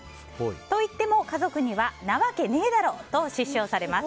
といっても、家族にはなわけねえだろ！と失笑されます。